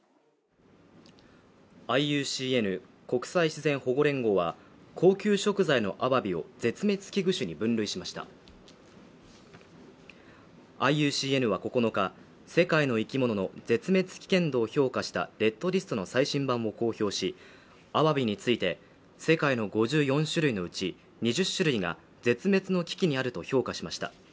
ＩＵＣＮ＝国際自然保護連合は高級食材のアワビを絶滅危惧種に分類しましたＩＵＣＮは９日世界の生き物の絶滅危険度を評価したレッドリストの最新版を公表しアワビについて世界の５４種類のうち２０種類が絶滅の危機にあると評価しました